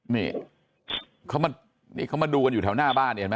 นี่เขามานี่เขามาดูกันอยู่แถวหน้าบ้านเนี่ยเห็นไหม